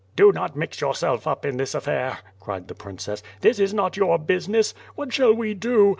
"Do not mix yourself up in this affair," cried the princess. "This is not your business. What shall we do?